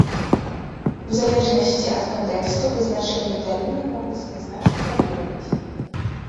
У залежнасці ад кантэксту вызначэнні тэрміну могуць нязначна вар'іраваць.